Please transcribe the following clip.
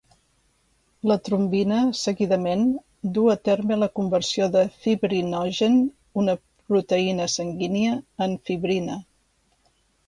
La trombina seguidament, duu a terme la conversió de fibrinogen, una proteïna sanguínia, en fibrina.